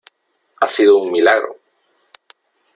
¡ ha sido un milagro !...